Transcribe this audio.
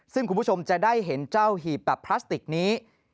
ซึ่งคุณผู้ชมจะได้เห็นเจ้าหีบแบบพลาสติกนี้